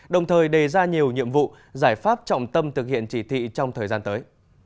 đồng thời đề ra nhiều nhiệm vụ giải pháp trọng tâm thực hiện chỉ thị trong thời gian tới